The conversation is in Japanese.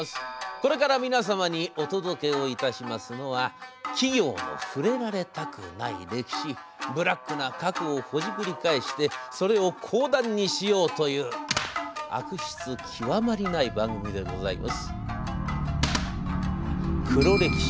これから皆様にお届けをいたしますのは企業の触れられたくない歴史ブラックな過去をほじくり返してそれを講談にしようという悪質極まりない番組でございます。